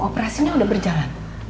operasinya udah berjalan